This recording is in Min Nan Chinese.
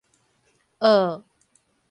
澳